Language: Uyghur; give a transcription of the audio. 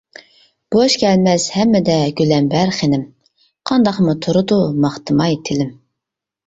بوش كەلمەس ھەممىدە گۈلەمبەر خېنىم، قانداقمۇ تۇرىدۇ ماختىماي تىلىم.